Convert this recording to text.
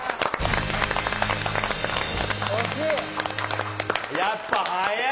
惜しい。